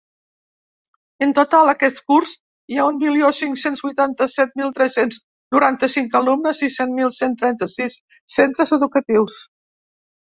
En total, aquest curs hi ha un milió cinc-cents vuitanta-set mil tres-cents noranta-cinc alumnes i cinc mil cent trenta-sis centres educatius.